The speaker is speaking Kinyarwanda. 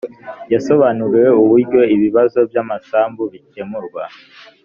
yasobanuriwe uburyo ibibazo by ‘amasambu bikemurwa .